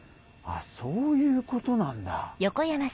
そういうことなんだ。